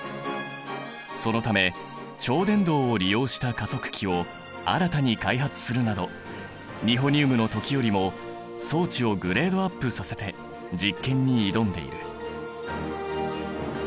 そのため超伝導を利用した加速器を新たに開発するなどニホニウムの時よりも装置をグレードアップさせて実験に挑んでいる。